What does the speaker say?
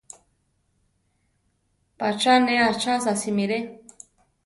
Pacha ne achasa simiré.